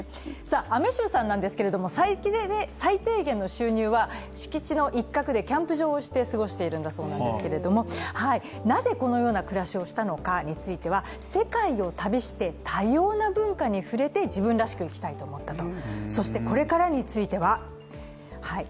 雨柊さんなんですけれども最低限の収入は、敷地の一角でキャンプ場をして過ごしているんだそうですけどなぜこのような暮らしをしたのかについては、世界を旅して多様な文化に触れて自分らしく生きたいと思ったと。